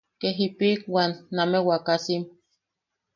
Kee jipiʼiwan name wakasim.